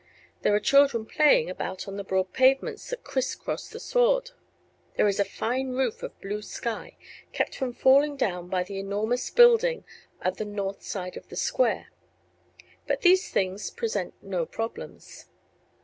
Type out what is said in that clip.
There are children playing about on the broad pavements that criss cross the sward; there is a fine roof of blue sky, kept from falling down by the enormous building at the north side of the Square. But these things present no problems.